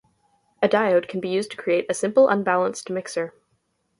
A diode can be used to create a simple unbalanced mixer.